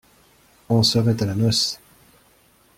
On serait à la noce.